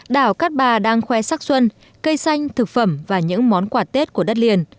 đảo cát bà đang khoe sắc xuân cây xanh thực phẩm và những món quà tết của đất liền